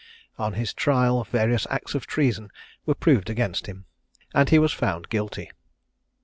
On his trial various acts of treason were proved against him, and he was found guilty.